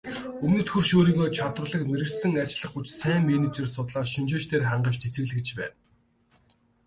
Өмнөд хөрш өөрийгөө чадварлаг мэргэшсэн ажиллах хүч, сайн менежер, судлаач, шинжээчдээр хангаж цэнэглэж байна.